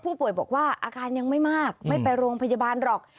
บอกว่าอาการยังไม่มากไม่ไปโรงพยาบาลหรอก